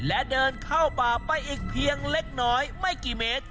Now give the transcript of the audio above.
และเดินเข้าป่าไปอีกเพียงเล็กน้อยไม่กี่เมตร